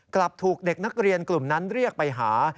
กลับถูกเด็กนักเรียนกลุ่มนั้นเรียกไปหา